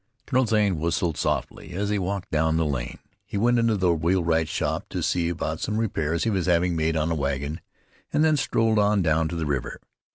Colonel Zane whistled softly as he walked down the lane. He went into the wheelwright's shop to see about some repairs he was having made on a wagon, and then strolled on down to the river.